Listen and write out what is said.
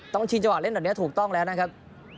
ต้องชินเจาะแล้วถูกต้องแล้วนะครับ